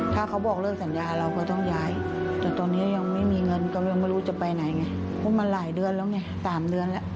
ถ้าเขาบอกเลิกสัญญาเราก็ต้องย้ายแต่ตอนนี้ยังไม่มีเงินก็ยังไม่รู้จะไปไหนไงเพราะมันหลายเดือนแล้วไง๓เดือนแล้ว